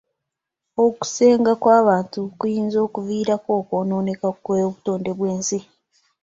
Okusenga kw'abantu kuyinza okuviirako okwonooneka kw'obutonde bw'ensi.